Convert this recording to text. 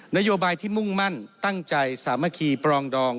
นโยบายที่มุ่งมั่นตั้งใจสามัคคีปรองดอง